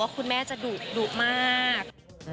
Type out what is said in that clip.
คุณแม่จะดุมาก